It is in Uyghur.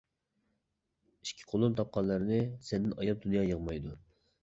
ئىككى قولۇم تاپقانلىرىنى، سەندىن ئاياپ دۇنيا يىغمايدۇ.